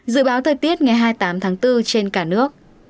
dự báo thời tiết ngày hai mươi tám tháng bốn trên cả nước